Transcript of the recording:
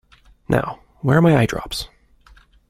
Now, where are my eyedrops?